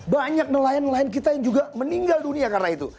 banyak nelayan nelayan kita yang juga meninggal dunia karena itu